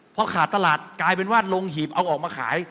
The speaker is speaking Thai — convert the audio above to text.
พอขาดตลาดกลายเป็นว่าลงหีบเอาออกมาขาย